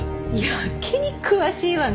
やけに詳しいわね。